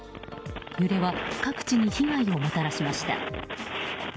揺れは各地に被害をもたらしました。